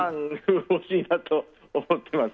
欲しいなと思っています。